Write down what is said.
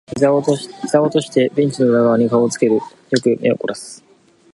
膝を落としてベンチの裏側に顔を近づける。よく目を凝らす。